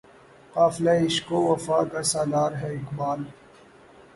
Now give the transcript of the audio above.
قافلہِ عشق و وفا کا سالار ہے اقبال